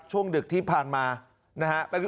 ช่วงดึกที่ผ่านมานะฮะ